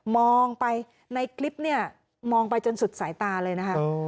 มองไปในคลิปเนี่ยมองไปจนสุดสายตาเลยนะคะ